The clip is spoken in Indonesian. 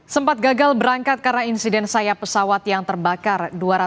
sempat gagal berangkat karena insiden sayap pesawat yang terbakar